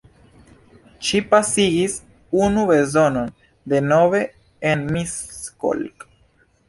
Ŝi pasigis unu sezonon denove en Miskolc.